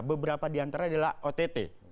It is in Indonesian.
beberapa diantara adalah ott